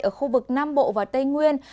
ở khu vực nam bộ và tây nguyên